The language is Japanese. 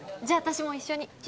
じゃあ私も一緒に。